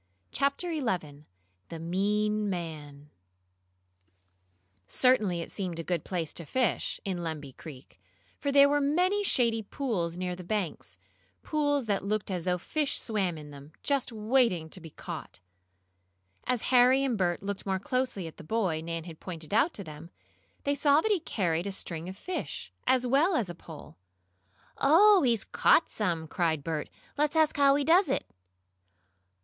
CHAPTER XI THE MEAN MAN Certainly it seemed a good place to fish, in Lemby Creek, for there were many shady pools near the banks pools that looked as though fish swam in them, just waiting to be caught. As Harry and Bert looked more closely at the boy Nan had pointed out to them, they saw that he carried a string of fish, as well as the pole. "Oh, he's caught some!" cried Bert. "Let's ask how he does it."